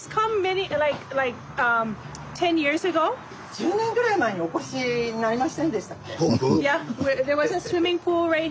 １０年ぐらい前にお越しになりませんでしたっけ？